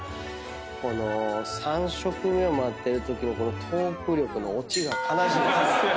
この３食目を待ってるときのトーク力の落ちが悲しいですね。